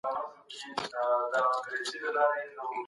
تېر کال په هېواد کي سوله ټينګه شوه.